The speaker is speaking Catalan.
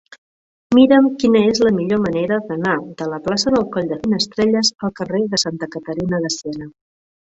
Mira'm quina és la millor manera d'anar de la plaça del Coll de Finestrelles al carrer de Santa Caterina de Siena.